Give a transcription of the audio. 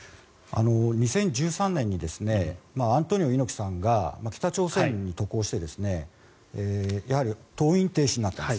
２０１３年にアントニオ猪木さんが北朝鮮に渡航してやはり登院停止になったんです。